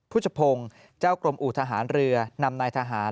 ภูชภงเจ้ากรมอุทหารเรือนำนายทหาร